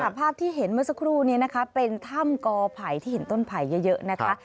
ภาพที่เห็นเมื่อสักครู่นี้นะคะเป็นถ้ำกอไผ่ที่เห็นต้นไผ่เยอะนะคะ